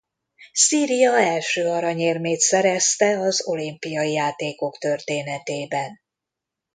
Szíria első aranyérmét szerezte az olimpiai játékok történetében.